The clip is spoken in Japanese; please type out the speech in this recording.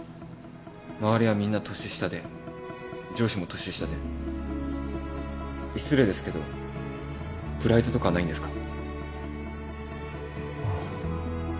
周りはみんな年下で上司も年下で失礼ですけどプライドとかないんですか？